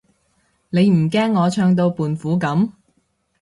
你唔驚我唱到胖虎噉？